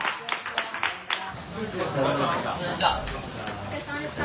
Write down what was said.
お疲れさまでした。